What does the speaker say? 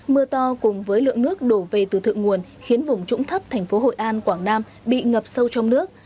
mưa to cùng với lượng nước đổ về từ thượng nguồn khiến vùng trũng thấp thành phố hội an quảng nam bị ngập sâu trong nước